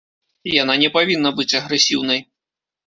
Яна не павінна быць агрэсіўнай.